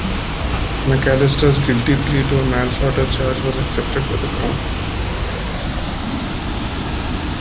McAllister's guilty plea to a manslaughter charge was accepted by the Crown.